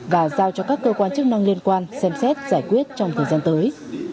và giao cho các cơ quan chức năng liên quan xem xét giải quyết trong thời gian tới